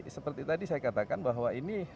seperti tadi saya katakan bahwa ini